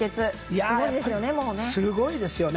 すごいですよね。